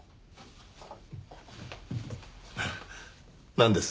なんです？